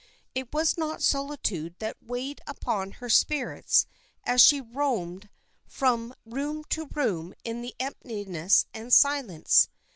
It was not solitude that weighed upon her spirits as she roamed from room to room in the emptiness and silence.